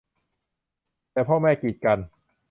แต่พ่อแม่กีดกัน